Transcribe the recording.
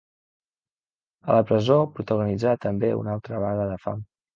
A la presó protagonitzà també una altra vaga de fam.